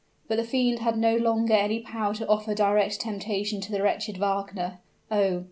But the fiend had no longer any power to offer direct temptation to the wretched Wagner. Oh!